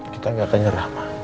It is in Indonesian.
kita gak akan nyerah ma